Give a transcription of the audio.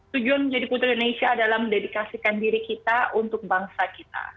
tujuan menjadi putri indonesia adalah mendedikasikan diri kita untuk bangsa kita